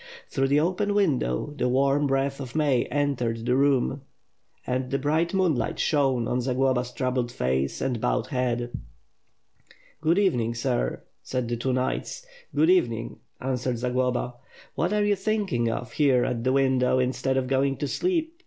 Through the open window, the warm breath of May entered the room and the bright mooonlight shone on Zagloba's troubled face and bowed head. "Good evening, sir,'' said the two knights. "Good evening,'' answered Zagloba. "What are you thinking of here at the window, instead of going to sleep?"